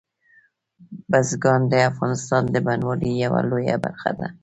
بزګان د افغانستان د بڼوالۍ یوه لویه برخه ده.